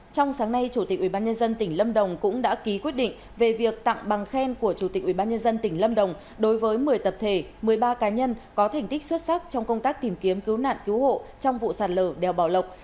trong sáng nay chủ tịch ubnd tỉnh lâm đồng cũng đã ký quyết định về việc tặng bằng khen của chủ tịch ubnd tỉnh lâm đồng đối với một mươi tập thể một mươi ba cá nhân có thành tích xuất sắc trong công tác tìm kiếm cứu nạn cứu hộ trong vụ sạt lở đèo bảo lộc